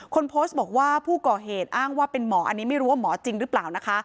คนโพสต์บอกว่าผู้ก่อเหตุอ้างว่าเป็นหมออันนี้ไม่รู้ว่าหมอจริงหรือเปล่านะคะ